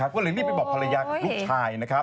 ก็เลยรีบไปบอกภรรยากับลูกชาย